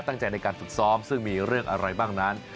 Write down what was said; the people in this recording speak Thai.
ตั้งใจในการฝึกซ้อมซึ่งมีเรื่องอะไรบ้างนั้น